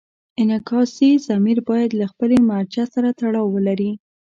انعکاسي ضمیر باید له خپلې مرجع سره تړاو ولري.